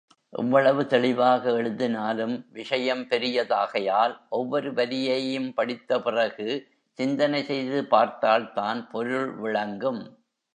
எவ்வளவு தெளிவாக எழுதினாலும், விஷயம் பெரிதாகையால், ஒவ்வொரு வரியையும் படித்த பிறகு சிந்தனை செய்து பார்த்தால்தான் பொருள் விளங்கும்.